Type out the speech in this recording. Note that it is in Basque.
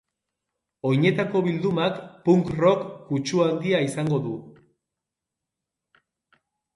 Oinetako bildumak punk-rock kutsu handia izango du.